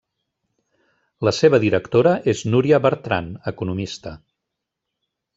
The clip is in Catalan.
La seva directora és Núria Bertran, economista.